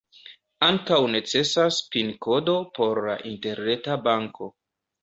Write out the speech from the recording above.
Ankaŭ necesas pin-kodo por la interreta banko.